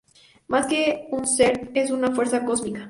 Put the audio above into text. Más que un ser, es una fuerza cósmica.